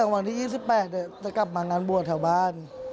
วันที่๒๘จะกลับมางานบวชแถวบ้าน